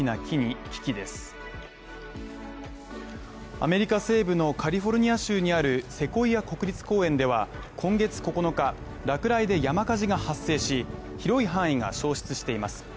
アメリカ西部のカリフォルニア州にあるセコイア国立公園では今月９日、落雷で山火事が発生し広い範囲が焼失しています。